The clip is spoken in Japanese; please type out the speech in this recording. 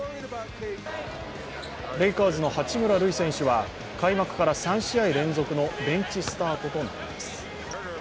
レイカーズの八村塁選手は、開幕から３試合連続のベンチスタートとなります。